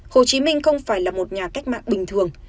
hồ chí minh không phải là một nhà cách mạng bình thường